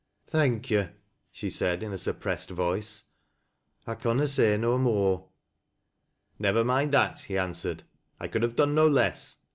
" Thank yo'," she said in a suppressed voice, " I canna say no more." " Never mind that," he answered, " I could have done QO less.